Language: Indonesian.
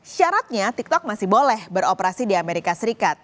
syaratnya tiktok masih boleh beroperasi di amerika serikat